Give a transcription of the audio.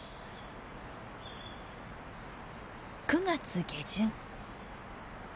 ９月下旬。